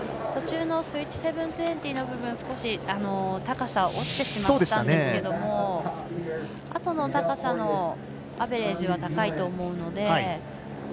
途中のスイッチ７２０の部分で少し、高さが落ちてしまったんですけどもあとの高さのアベレージは高いと思うので。